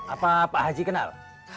apa pak haji kenal